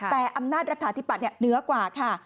แต่อำนาจรัฐฐาธิบัตย์เหนือกว่าค่ะ